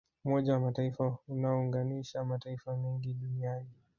umoja wa mataifa unaounganisha mataifa mengi duniani